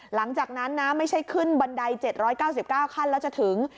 หลังจากนั้นนะไม่ใช่ขึ้นบันได๗๙๙ขั้นแล้วจะถึง